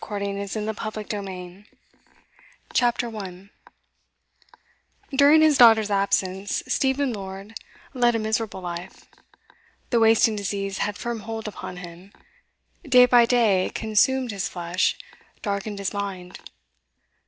Part III: Into Bontage CHAPTER 1 During his daughter's absence, Stephen Lord led a miserable life. The wasting disease had firm hold upon him; day by day it consumed his flesh, darkened his mind.